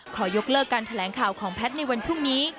ขอยกเลิกการแถลงข่าวของแพทย์ในวันพรุ่งนี้